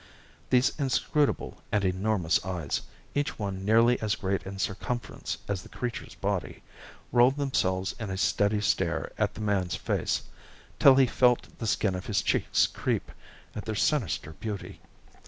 These inscrutable and enormous eyes each one nearly as great in circumference as the creature's body rolled themselves in a steady stare at the man's face, till he felt the skin of his cheeks creep at their sinister beauty.